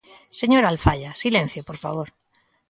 Señora Alfaia, silencio, por favor.